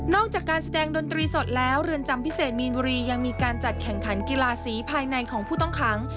จากการแสดงดนตรีสดแล้วเรือนจำพิเศษมีนบุรียังมีการจัดแข่งขันกีฬาสีภายในของผู้ต้องขัง